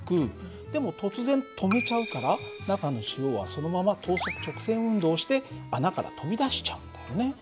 でも突然止めちゃうから中の塩はそのまま等速直線運動をして穴から飛び出しちゃうんだよね。